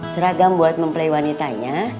seragam buat memplei wanitanya